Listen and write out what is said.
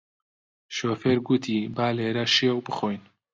شۆفێر گوتی با لێرە شێو بخۆین